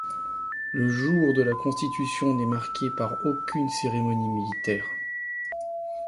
Le jour de la Constitution n'est marqué par aucune cérémonie militaire.